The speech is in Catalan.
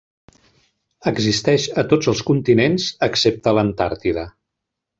Existeix a tots els continents excepte a l'Antàrtida.